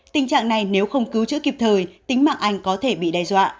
tình trạng này nếu không cứu chữa kịp thời tính mạng anh có thể bị đe dọa